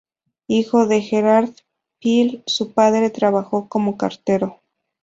Hijo de Gerard y Phil; su padre trabajó como cartero.